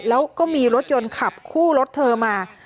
แล้วก็มีรถยนต์ขับคู่รถเธอมา